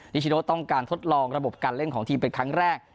นิชโนต้องการทดลองระบบการเล่นของทีมเป็นครั้งแรก